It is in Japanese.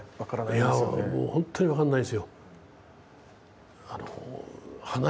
いやもうほんとに分かんないですよ。